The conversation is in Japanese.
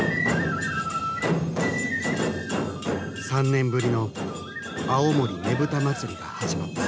３年ぶりの青森ねぶた祭が始まった。